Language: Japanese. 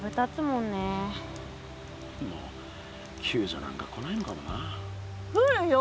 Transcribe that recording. もうきゅうじょなんか来ないのかもな。